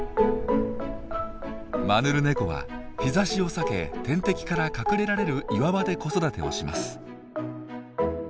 マヌルネコは日ざしを避け天敵から隠れられる岩場で子育てをします。